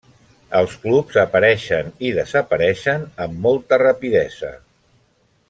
Els clubs apareixen i desapareixen amb molta rapidesa.